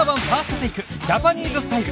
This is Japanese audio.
『ジャパニーズスタイル』